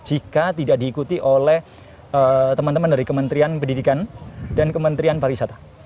jika tidak diikuti oleh teman teman dari kementerian pendidikan dan kementerian pariwisata